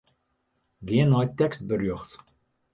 Gean nei tekstberjocht.